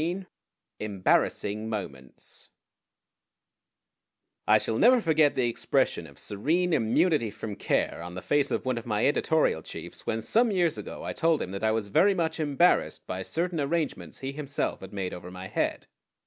XIII EMBARRASSING MOMENTS I shall never forget the expression of serene immunity from care on the face of one of my editorial chiefs when some years ago I told him that I was very much embarrassed by certain arrangements he himself had made over my head.